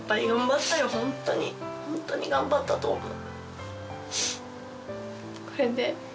ホントに頑張ったと思う。